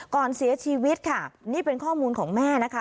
ก่อนเสียชีวิตค่ะนี่เป็นข้อมูลของแม่นะคะ